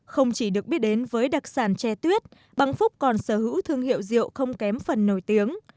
không chỉ được biết đến với đặc sản tre tuyết băng phúc còn sở hữu thương hiệu rượu không kém phần nổi tiếng